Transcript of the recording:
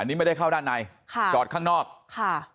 อันนี้ไม่ได้เข้าด้านในค่ะจอดข้างนอกค่ะ